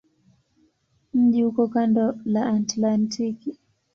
Mji uko kando la Atlantiki.